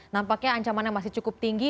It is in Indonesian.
nampaknya ancaman yang masih cukup tinggi